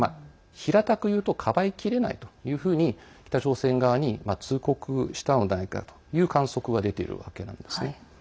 平たく言うとかばいきれないというふうに北朝鮮側に通告したのではないかという観測が出ているわけなんですね。